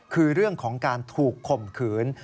คือเรื่องของการถูกข่มขืน